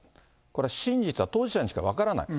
これは真実は当事者にしか分からない。